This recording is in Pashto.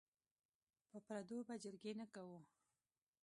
په پردو به جرګې نه کوو.